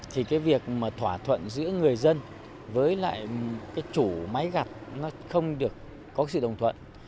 thì cái việc mà thỏa thuận giữa người dân với lại cái chủ máy gặt nó không được có sự đồng thuận